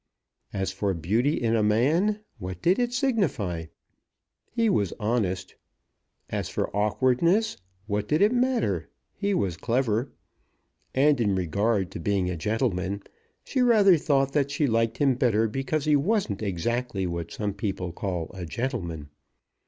As for beauty in a man; what did it signify? He was honest. As for awkwardness; what did it matter? He was clever. And in regard to being a gentleman; she rather thought that she liked him better because he wasn't exactly what some people call a gentleman.